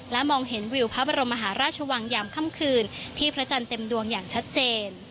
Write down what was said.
มองเห็นวิวพระบรมมหาราชวังยามค่ำคืนที่พระจันทร์เต็มดวงอย่างชัดเจน